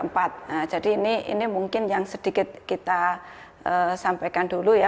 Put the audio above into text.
nah jadi ini mungkin yang sedikit kita sampaikan dulu ya